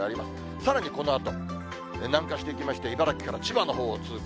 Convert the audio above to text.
さらにこのあと南下していきまして、茨城から千葉のほうを通過。